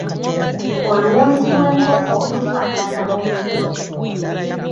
Oluwonzi lw'enkoko lufaanana omuliro.